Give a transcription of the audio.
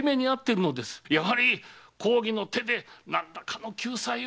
やはり公儀の手で何らかの救済を。